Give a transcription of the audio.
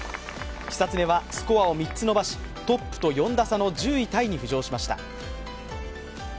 久常はスコアを３つ伸ばし、トップと４打差の１０位タイに浮上しました。